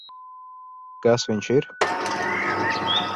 Kas viņš ir?